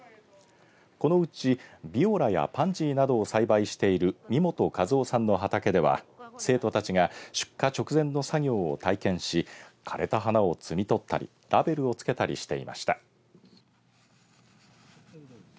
このうちビオラやパンジーなどを栽培している見元一夫さんの畑では生徒たちが出荷直前の作業を体験し枯れた花を摘み取ったりラベルをつけたりしていました。